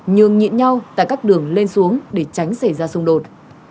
nhường nhịn nhau tại các đường lên xuống để tránh xảy ra xung đột